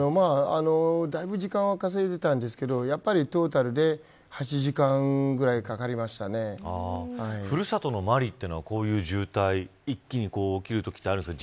だいぶ時間は稼いでいたんですけどやっぱりトータルでふるさとのマリというのはこういう渋滞一気に起きるときとかあるんですか。